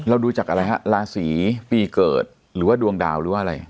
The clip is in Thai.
ดูจากอะไรฮะราศีปีเกิดหรือว่าดวงดาวหรือว่าอะไร